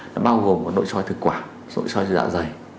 nó bao gồm cả nội soi thực quản nội soi dạ dày